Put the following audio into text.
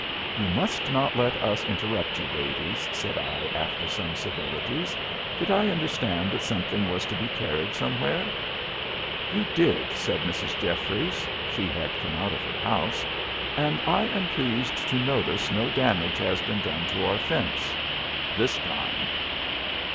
"You must not let us interrupt you, ladies," said I, after some civilities. "Did I understand that something was to be carried somewhere?" "You did," said Mrs. Jeffries (she had come out of her house); "and I am pleased to notice no damage has been done to our fence this time."